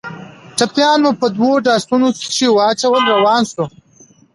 ټپيان مو په دوو ډاټسنو کښې واچول روان سو.